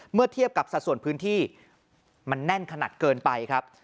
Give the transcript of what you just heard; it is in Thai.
เมื่อเทียบกับสัดส่วนพื้นที่มันแน่นขนาดเกินไปครับ